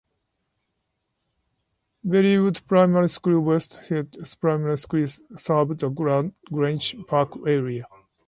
Berrywood Primary School and Wellstead Primary School serve the Grange Park area.